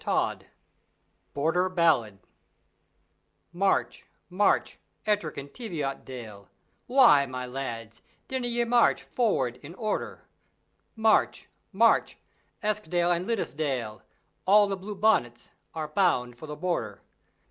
Amiel BORDER BALLAD March, march, Ettrick and Teviotdale, Why, my lads, dinna ye march forward in order! March, march, Eskdale and Liddesdale, All the Blue Bonnets are bound for the Border.